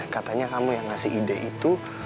katanya kamu yang ngasih ide itu